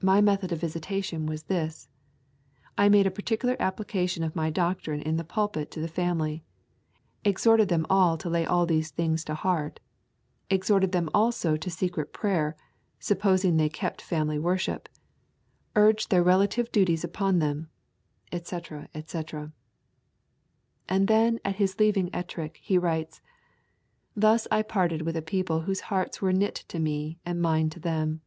My method of visitation was this. I made a particular application of my doctrine in the pulpit to the family, exhorted them all to lay all these things to heart, exhorted them also to secret prayer, supposing they kept family worship, urged their relative duties upon them,' etc. etc. And then at his leaving Ettrick, he writes: 'Thus I parted with a people whose hearts were knit to me and mine to them.